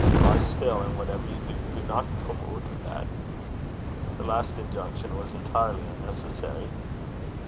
Lie still, and whatever ye do, dinna come oot o' that.' The last injunction was entirely unnecessary.